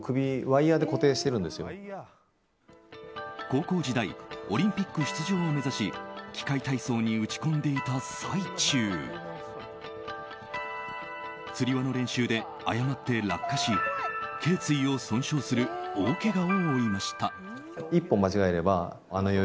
高校時代オリンピック出場を目指し器械体操に打ち込んでいた最中つり輪の練習で誤って落下し頸椎を損傷する大けがを負いました。